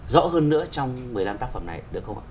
rõ hơn nữa trong một mươi năm tác phẩm này được không ạ